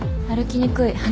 歩きにくい。